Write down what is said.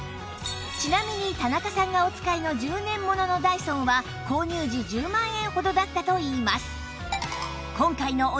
ちなみに田中さんがお使いの１０年もののダイソンは購入時１０万円ほどだったといいます